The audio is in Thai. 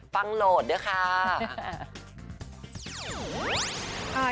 ฟังโหลดด้วยค่ะ